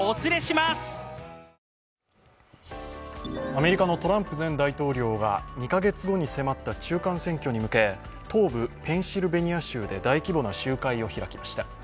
アメリカのトランプ前大統領が２カ月後に迫った中間選挙に向け東部ペンシルベニア州で大規模な集会を開きました。